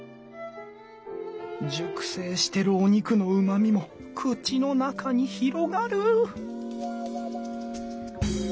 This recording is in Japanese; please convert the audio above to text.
熟成してるお肉のうまみも口の中に広がる！